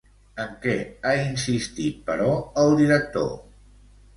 En què ha insistit, però, el director?